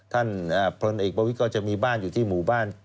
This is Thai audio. พลเอกประวิทย์ก็จะมีบ้านอยู่ที่หมู่บ้าน